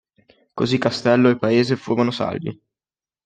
Così castello e paese furono salvi.